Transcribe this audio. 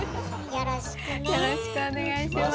よろしくお願いします。